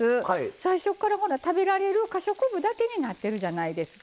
最初から食べられる可食部だけになってるじゃないですか。